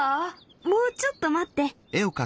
もうちょっと待って。